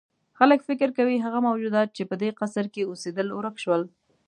خلک فکر کوي هغه موجودات چې په دې قصر کې اوسېدل ورک شول.